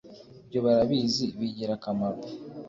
ibyo barabizi bigira akamaro